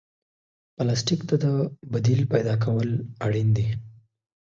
پلاستيک ته د بدیل پیدا کول اړین دي.